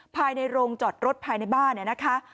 ภายในโรงจอดรถภายในบ้านเนี่ยนะคะ